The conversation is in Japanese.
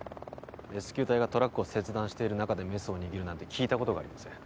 レスキュー隊がトラックを切断している中でメスを握るなんて聞いたことがありません